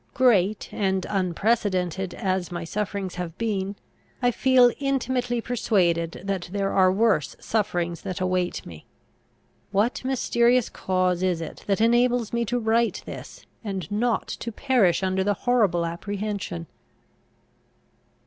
Great and unprecedented as my sufferings have been, I feel intimately persuaded that there are worse sufferings that await me. What mysterious cause is it that enables me to write this, and not to perish under the horrible apprehension!